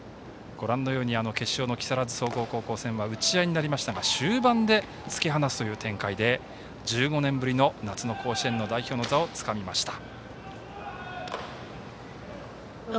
ご覧のように決勝の木更津総合戦打ち合いになりましたが終盤で突き放すという展開で１５年ぶりの夏の甲子園の代表の座をつかみました。